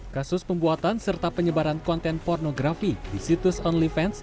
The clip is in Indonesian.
kasus pembuatan serta penyebaran konten pornografi di situs onlyfans